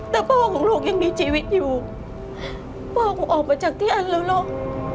แต่พ่อของลูกยังมีชีวิตอยู่พ่อก็ออกมาจากที่อันแล้วเนอะ